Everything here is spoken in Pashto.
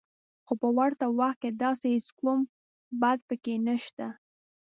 خو په ورته وخت کې داسې هېڅ کوم بد پکې نشته